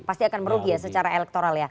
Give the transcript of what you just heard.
pasti akan merugi ya secara elektoral ya